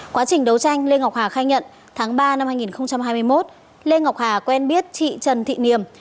quá trình đấu tranh lê ngọc hà khai nhận tháng ba năm hai nghìn hai mươi một lê ngọc hà quen biết chị trần thị niềm